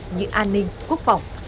như an ninh quốc phòng